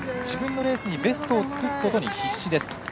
自分のレースにベストをつくすことに必死です。